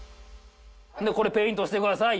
「これペイントしてください」